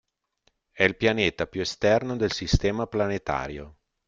È il pianeta più esterno del sistema planetario.